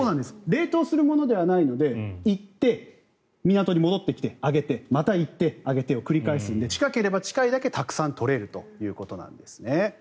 冷凍するものではないので行って、港に戻ってきて挙げて、また行って挙げてを繰り返すので近ければ近いだけたくさん取れるということなんです。